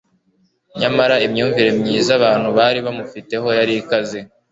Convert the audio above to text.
Nyamara imyumvire myiza abantu bari bamufiteho yari ikaze